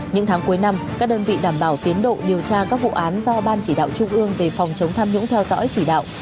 những tháng cuối năm các đơn vị đảm bảo tiến độ điều tra các vụ án do ban chỉ đạo trung ương về phòng chống tham nhũng theo dõi chỉ đạo